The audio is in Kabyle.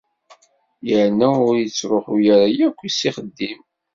Yerna ur ittṛuḥu ara yakk s ixeddim.